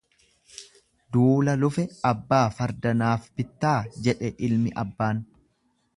Duula lufe abbaa farda naaf bittaa jedhe ilmi abbaan.